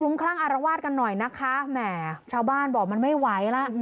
คลั่งอารวาสกันหน่อยนะคะแหมชาวบ้านบอกมันไม่ไหวแล้ว